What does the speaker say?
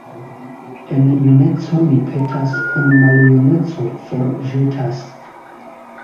En juneco ni petas, en maljuneco forĵetas.